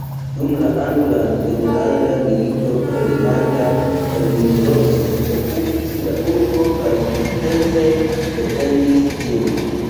Dum la angla enlanda milito parlamenta garnizono okupis la urbon kaj sukcese defendis ĝin.